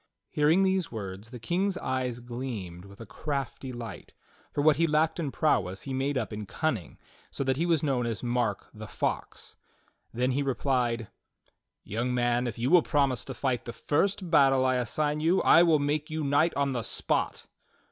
Hearing these words, the King's eyes gleamed with a crafty light, for what he lacked in prowess he made up in cunning, so that he was known as Mark the Fox. Then he replied: "Young man, if you will promise to fight the first battle I assign you, I will make you knight on the spot."